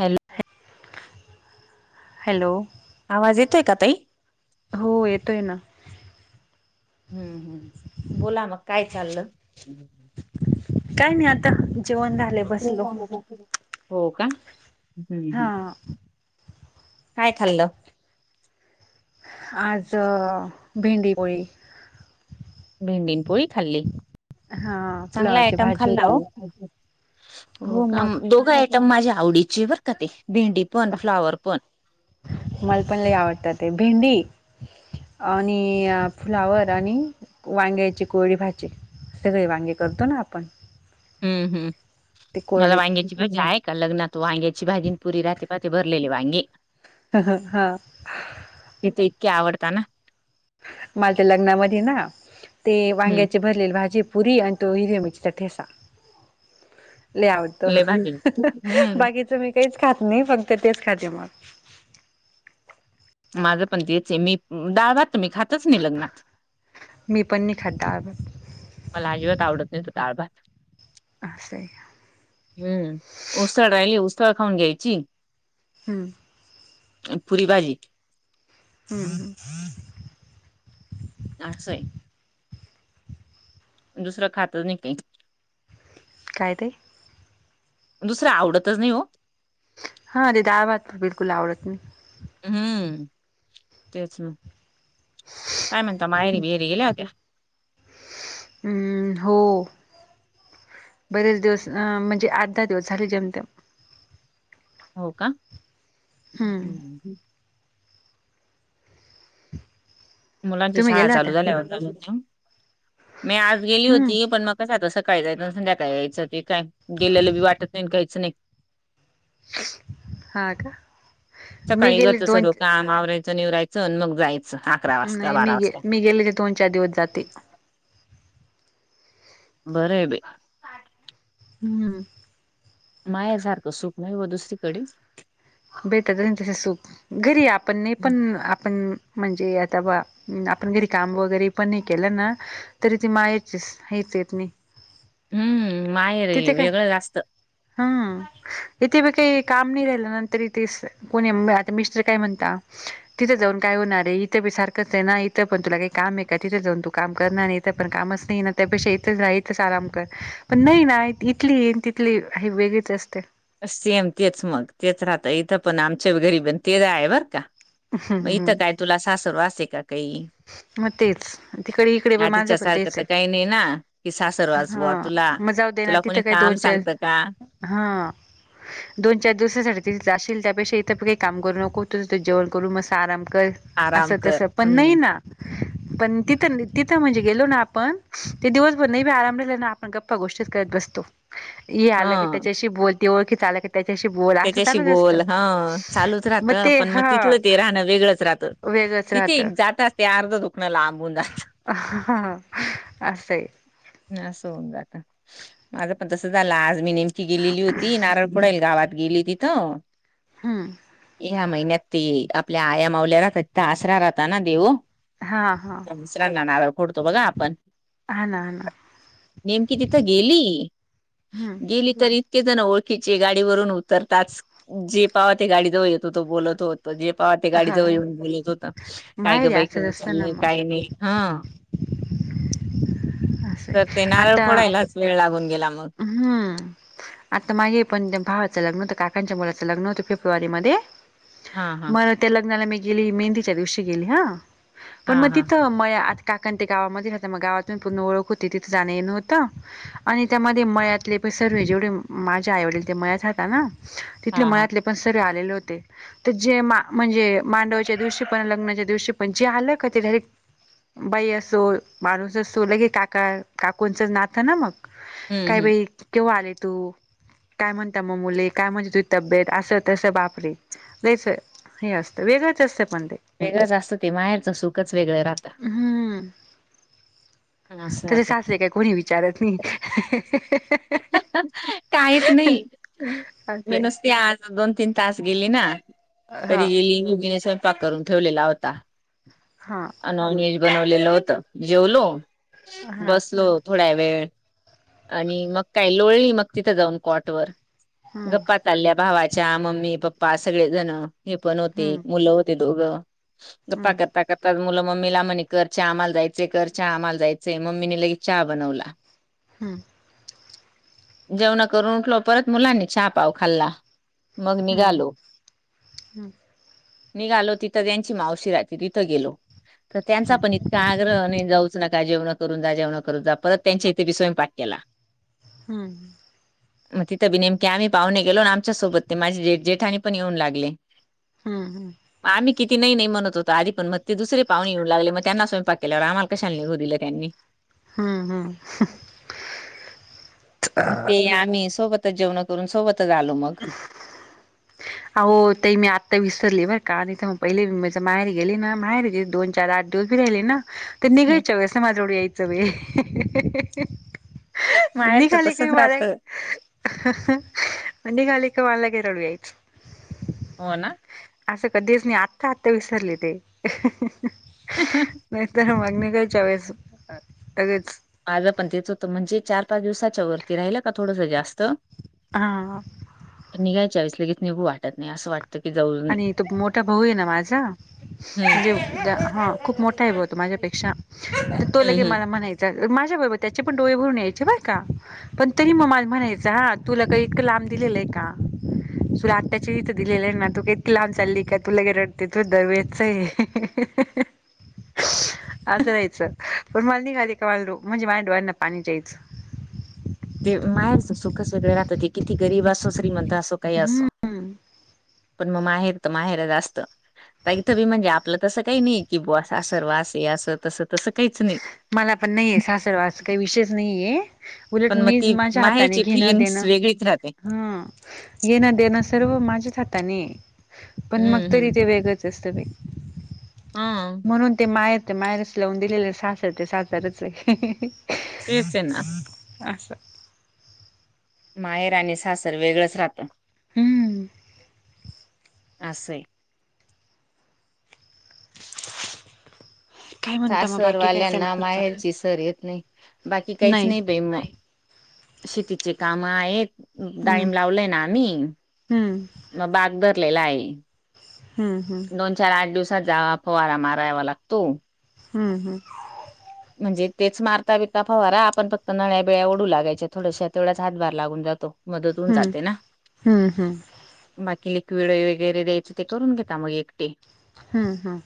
Hello hello आवाज येतोय का ताई. हो येतोय ना. हम्म हम्म बोला मग काय चाललं. काय नाही आता जेवण झालं. हो हो का हा हा काय खाल्लं? आज भेंडी पोळी. भेंडी पोळी खाल्ली. हा चांगला पुलावाची आयटम भाजी खाल्ला हो होती. हो का दोघं तर माझ्या आवडीची बर का ते भेंडी पण फ्लॉवर पण. मला पण ते आवडतात ते भेंडी आणि फ्लावर आणि वांग्याची कोरडी भाजी. सगळी वांगी करतो ना आपण. हम्म हम्म ते मला कोरडे वांगची भाजी आहे का लग्नात वांग्याची भाजी पुरी राहते भरलेले वांगे. ह ह हा तिथे इतके आवडता ना. मला त्या लग्नामध्ये ना ते हम्म वांग्याचे भरलेली भाजी पुरी आणि तो हिरव्या मिरचीचा ठेसा. ल आवडतं लय भारी हम्म बाकीचं मी काहीच खात नाही फक्त तेच खाते मग माझं पण तेच आहे मी डाळ त मी खातच नाही लग्नात मी पण नाही खात डाळ भात मला अजीबात आवडत नाही तो डाळ भात अस आहे. हम्म उसाळ राहिली उसाळ खाऊन घ्यायची. हम्म पुरी भाजी हम्म ह आ सय दुसरं खातात नाही काही. काय ताई दुसरं आवडतच नाही हो, हा ते दाळ भात पण बिलकुल आवडत नाही. हम्म तेच ना काय म्हणता माहेरी गेल्या होत्या. हो बरेच दिवस अ म्हणजे आठ दहा दिवस झाले जमते. हो का हम्म मुलांची तुम्ही शाळा गेला होता चालू झाल्या हो मी आज गेली हम्म होती पण मग कस आता सकाळी जायचं संध्याकाळी यायचं ते काय गेलेलं बी वाटत नाही कायचं नाही. ह का मी सकाळी गेले घरचं दोन सर्व काम आवरायचं निवरायचं मग जायचं. अकरा ह् वाजता नाही बारा वाजता मी गेले तर दोन-चार दिवस जाते. बर ये बाई. हम्म माहेरसारखं सुख नाही व दुसरीकडेच भेटत नाही तस सुख घरी आपण नाही पण आपण म्हणजे आता बा आपण घरी काम वगैरे पण हे केलं ना तरी ती मायाची ह तेेत नाही. हम्म हम्म नाही रे तिथे काय वेगळं जास्त. इथे वेगळे काम नाही राहिलं. ते कोणी आता मिस्टर काय म्हणत‌ तिथं जाऊन काय होणार आहे इथं बी सारखंच आहे ना इथं पण तुला काही काम आहे का तिथे जाऊन तू काम करणार. ण कामच नाही त्यापेक्षाेतच राच आराम कर पण नाही ना इथली. किली ह वेगळीच असते. सेम तेच मग तेच राहतं इथं पण आमच्या गरीब ते आहे बर का. मग इथं काय तुला सासर वाचे का काही. मग तेच तिकडे इकडे माझं आधीच्या पण सारखं तेच तर आहे काही नाही ना कि सासरवास बुवा हा तुला मग जाऊ दे ना. तुला कोणी तिथं काय काम दोन-चार सांगतं का हा. दोन-चार दिवसासाठी तिथे जाशील त्यापेक्षा इथं पण काही काम करू नको त जेण करू मस्त आराम कर. आराम असं तस कर पण नाही हम्म ना पण तिथं तिथं म्हणजे गेलो ना आपण. ते दिवसभर नाही बी आराम राहिला ना आपण गप्पा गोष्टीच करत बसतो. ये आलं का ह त्याच्याशी बोलते ओळखीच आलं का. त्याच्याशी बोल असं त्याच्याशी चालू असत बोल ह चालूच मग राहतं ते पण मग हा. तिथलं ते राहणं वेगळंच राहतं. वेगंच तिथे राहतं. जाताच ते अर्ध दुखणं लांब. अस स. [unintelligible] ना अस होऊन जात माझं पण तस झालं आज मी नेमकी गेलेली होती नारण पुणेल गावात. गेली तिथ. हम्म. ह्या महिन्यात त आपल्या आया मावल्याला आसरा राहता ना देव. हा हा. दसरांना नारल फोडतो बघा आपण. हा ना हा ना [inaudible] नेमकी तिथं गेली हम्म गेली. तर इतके जण ओळखीचे गाडीवररून उतरताच जे पावा ते गाडी जऊळ येत होतो बोलत होत. जे पाह ते हा गाडीजवळ येऊन बोलत होत काय ग माहेरी बाई असंच काय असतं ना चाललं मग काय नाही. हा असं तर ते आहे. नारळ आता फोडायलाच वेळ लागून गेला मग. हम्म. आता मागे पण भावाचं लग्न होत काकांच्या मुलाचं लग्न होतं फेब्रुवारीमध्ये. हा हा मग त्या लग्नाला मी गेली मेहंदीच्या दिवशी गेली ह पण हा मग हा तिथं. म आता काकण ते गावामध्ये राहता मग गावात पूर्ण ओळख होती तिथे जाणं ये नव्हतं आणि. त्यामध्ये मळ्यातले प सर्व जेवढे माझ्या आई वडील ते मळ्यात हात ना तिथ हा हा मळतले. पण सरे आलेले होते.. तर जे मा म्हणजे मांडवाच्या दिवशी पण लग्नाच्या दिवशी पण जे आलं का ते डायरेक्ट. बाई असो माणूस असो लगे काका काकोंचंच नातं ना मग. हम्म काय हम्म बाई केव्हा आले तू. काय म्हणता मग मुली काय म्हणते तुझ तब्येत असं तस बापरे! लईच. हे असतं वेगळंच असतं पण ते. वेगळंच असतं ते मायारचं सुखच वेगळं राहतं. असं तिथे राहत सासर काय कोणी विचारत नाही. [unintelligible] काहीच नाही मी असंय नसते आज. दोन तीन तास गेली ना हा तरी गेली योगीने स्वयंपाक करून ठेवलेला होता. हां. नॉन व्हेज बनवलेलं होत जेवलो हा बसलो. थोड्या वेळ आणि मग काही लोळणी मग तिथं जाऊन कॉट वर हम्म गप्प. चालल्या भावाच्या मम्मी पप्पा सगळे जण हे पण होते हम्म मुलं होते दोघं. गप्पा हम्म करता कर. तर मुलं मम्मीला म्हणे कर च आम्हाला जायंय कर चहा आम्हाला जायचें मम्मीने लगेच चहा बनवला. हम्म. जेवणा करून उठलो परत मुलांनी चहा पाव खाल्ला मग हम्म निघालो हम्म निघालो तिथं त्यांची मावशी राहते तिथं गेलो तर त्यांचा हम्म हम्म पण इतका आग्रह नाही जाऊ नका जेवण करून जा जेवण करून जा परत त्यांच्या इथे बी स्वयं पाक केला हम् म तिथं बी नेमके आम्ही पाहणे गेलो आमच्या सोबत ते माझेे जेठाणी पण येऊन लागले हम्म हम्म आम्ही किती नाही म्हणतो आधीण मग ते दुसरे पाहणे येऊ लागले मग त्यांना स्वयंपा केवर आम्हाला कशाला निघू दिलं त्यांनी हम्म हम् मग ते आम्ही सोबतच जेवण करून सोबतच आलो मग अह ते मी आत्ता विसरली बर का नाहीथ मग पहिले मी माझ्या माहेर गेली ना माहेर गे दोन चार आ उभी राहिली ना ते निघायच वेळेस ना माझ्याकड यायचं व माहेरच खाली क तसच मार राहत म्ह खाली का वाळला घेरळू यायच हो ना असं कधीच नाही आत्ता आत्ता विसरली ते हह नाही तर मग म काहीच्या वळेस अगच आज पण तेच होत म्हणजे चार पाच दिवसाच्या वरती राहिलं का थोडंसं जास्त हा निघायच्या ववेस लगेच निघू वाटत नाही असं वाटत क जाऊ नये. आणि तो मोठा भाऊ आहे ना माझा म्हणजे उ हम्म. हा खूप मोठा आहे ब होतो माझ्यापेक्षा तो लगे हम्म हम्म. मला म्हणायच माझ्याबरोबर त्याचे पण डोळे भरून यायचे बाय का पण तरी म मला म्हणायचं हा तुला का इतकं लांब दिलेलं आहे का सुला आठाच्याचे दिलेले ना तू का इती लांब चालली काय तू लगे रडते तू दवच आहे आज राहायचं पण मला निघाली का मला म्हणजे माझ्या डोळ्यांना पाणी द्यायचं ते माहेरच सुखच वेगळं राहत ते किती गरीब असो श्रीमंत असो काही असो हम्म पण मग माहेर तर माहेर जास्त इथं बी म्हणजे आपलं तसं काही नाही की बॉस सर् वास असं तसं तसं काहीच नाही मला पण नाहीये सासरवा अस काही विषेषच नाहीये उलट पण मग मी ती माझ्या हाताने माहेरची घेणं फिलिंग्स देणं वेगळीच राहते. हा येना देण सर्व माझ्याच हाताने पण मग हम्म तरी हम्म. ते वेगत जास्त ब हा म्हणून ते मायर ते मायरस लावून दिलेले सासरते सासरच तेच ना असं माहेर आणि सासर वेगळंच राहतं हमंम असे काय स म्हणता मग बाकी काय चाललं सरवाल्यांना तुमचं माहेरची अजून सर येत नाही बाकी काहीच नाही बे माय शेतीचे काम आहेत हम्म डाईम लावलेय ना आम्ही हम्म मग बाग धरलेला आहे हम् हम दोन चार आठ दिवसात जा फवारा मारायवा लागतो हम्म हम्म हो म्हणजे तेच मारता बिता फवारा आपण फक्त नळ्या बिळ्याओढू लागायच्या थडश्या तेवढाच हातभार लागून जातो. मदत होऊन हम्म हम्म जाते ना. हम्म हम्म हम्म बाकी लिक्विड वगैरे द्यायच ते करून घेता मग एकटे हम्म हम्म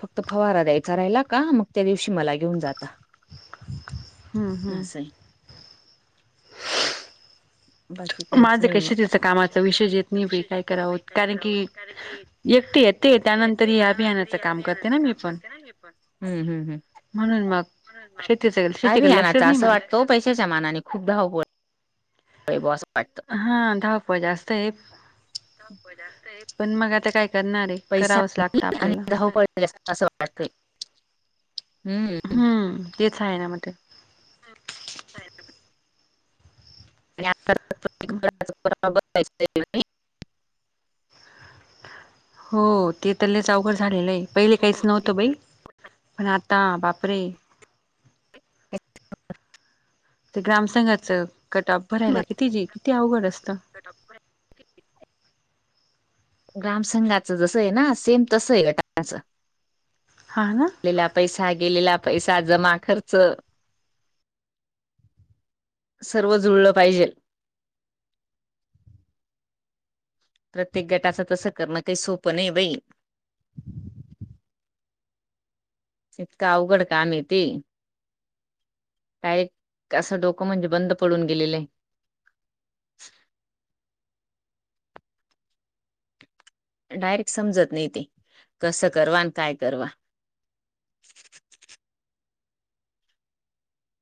फक्त फवारा द्यायचा राहिला का मग त्या दिवशी मला घेऊन जाता. हम्म हम्म असंय. बाकी काहीच माझं नाही कस मग शेती च्या कामाचा विशयष येत नाही काय करावत कारण की एकटी येते व्यती त्यानंतर येते हे त्यानंतर अभियानाचं या काम करते अभियानाच ना मी काम पण करते ना मी पण.. म्हणून मग शेतीच शेतीकडे लक्षच नाही माझ तो पैसे च्या मनाने नाही खूप् धावपळ व्हय ब वाटतं. हा धावपळ जास्त आहे. पण मग आता काय करणार आहे करावंच लागतं आपल्याला वात हम्म तेच आहे ना म ते हो आणि आ [inaudible] हो ते तर लइच अवघड झालेलं आहे पहिले काहीच नव्हतं बाई पण आता बा ब्रे [inaudible] एक ते ग्रामसंघाचं कटऑफ भरायला किती जी किती अवघड असतं. ग्रामसंघाचं जस आहे ना सेम तस आहे गटाच ह ना गेलेला पैसा गेलेला पैसा जमा खर्च सर्व जुळलं पाहिजे. प्रत्येक गटाचं तसं करणं काही सोपं नाही बाई इतका अवघड काम ते का असं डोकं म्हणजे बंद पडून गेलेलं आहे. डायरेक्ट समजत नाही ते कसं करवा आणि काय करवा.